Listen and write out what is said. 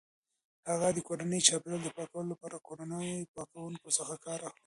هغې د کورني چاپیریال د پاکوالي لپاره د کورنیو پاکونکو څخه کار اخلي.